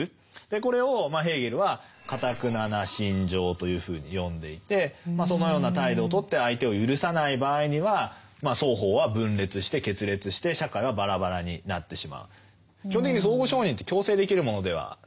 これをヘーゲルは「かたくなな心情」というふうに呼んでいてそのような態度をとって相手を赦さない場合には双方は分裂して決裂して社会はバラバラになってしまう。